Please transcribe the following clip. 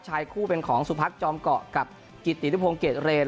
ชายคู่เป็นของสุพักจอมเกาะกับกิตินุพงศ์เกดเรน